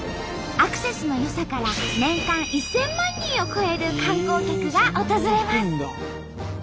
アクセスの良さから年間１，０００万人を超える観光客が訪れます。